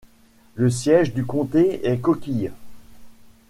Le siège du comté est Coquille.